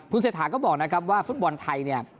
เศรษฐาก็บอกนะครับว่าฟุตบอลไทยเนี่ย